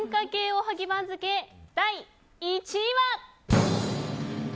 おはぎ番付、第１位は。